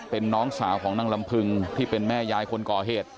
เป็นน้องสาวของนางลำพึงที่เป็นแม่ยายคนก่อเหตุ